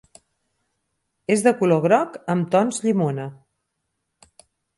És de color groc amb tons llimona.